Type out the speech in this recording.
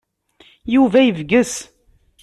Yuba yebges.